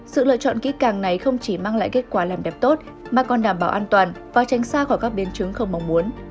sự lựa chọn kỹ càng này không chỉ mang lại kết quả làm đẹp tốt mà còn đảm bảo an toàn và tránh xa khỏi các biến chứng không mong muốn